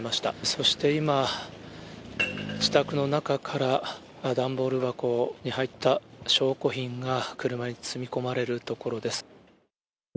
そして今、自宅の中から段ボール箱に入った証拠品が車に積み込まれるところです。